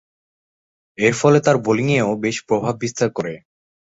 এরফলে তার বোলিংয়েও বেশ প্রভাববিস্তার করে।